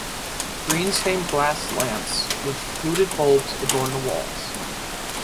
Green stained-glass lamps with fluted bulbs adorn the walls.